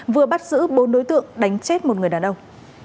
vừa bắt giữ bốn đối tượng đánh chết một người đàn ông